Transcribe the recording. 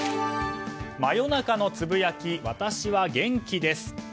真夜中のつぶやき私は元気です。